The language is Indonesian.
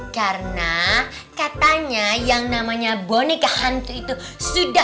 kamie juga akanweis mereka masih begitu de description of this video